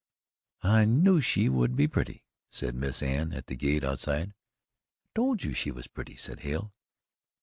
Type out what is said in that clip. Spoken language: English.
"I KNEW she would be pretty," said Miss Anne at the gate outside. "I TOLD you she was pretty," said Hale.